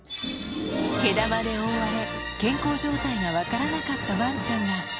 毛玉で覆われ、健康状態が分からなかったわんちゃんが。